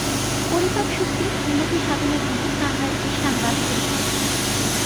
পরিপাকশক্তির উন্নতিসাধনের জন্য তাঁহার এই সাংবৎসরিক চেষ্টা।